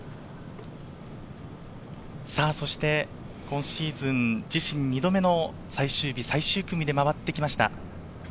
そして今シーズン、自身２度目の最終日、最終組で回ってきました。